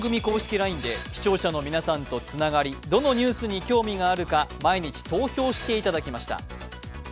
ＬＩＮＥで視聴者の皆さんとつながりどのニュースに興味があるか毎日、投票していただきました。